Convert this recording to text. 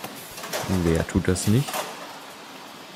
Wer tut das nicht?